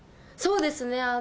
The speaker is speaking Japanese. そうですね。